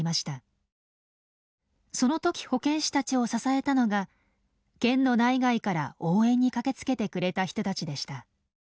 その時保健師たちを支えたのが県の内外から応援に駆けつけてくれた人たちでした。